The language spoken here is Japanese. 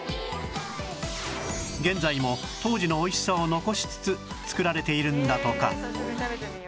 現在も当時の美味しさを残しつつ作られているんだとか